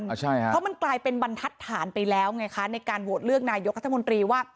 เพราะมันกลายเป็นบรรทัดฐานไปแล้วไงคะในการโหวตเลือกนายกรัฐมนตรีว่า